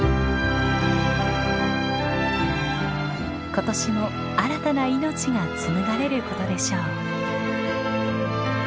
今年も新たな命が紡がれることでしょう。